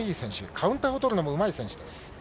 カウンターを取るのもうまい選手です。